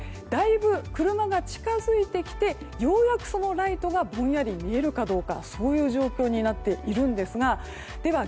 だいぶ車が近づいてきてようやく、そのライトがぼんやり見えるかどうかという状況になっているんですがで